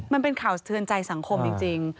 มันเป็นข่าวสะเทือนใจสังคมจริง